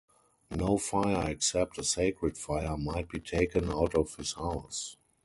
No fire except a sacred fire might be taken out of his house.